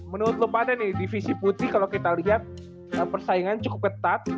menurut lu pada nih divisi putih kalo kita lihat persaingan cukup ketat